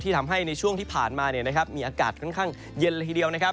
ทำให้ในช่วงที่ผ่านมามีอากาศค่อนข้างเย็นละทีเดียวนะครับ